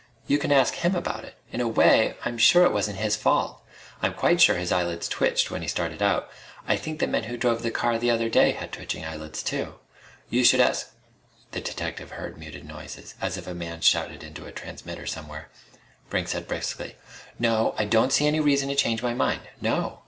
"You can ask him about it. In a way I'm sure it wasn't his fault. I'm quite sure his eyelids twitched when he started out. I think the men who drove the car the other day had twitching eyelids, too. You should ask " The detective heard muted noises, as it a man shouted into a transmitter somewhere. Brink said briskly: "No, I don't see any reason to change my mind.... No....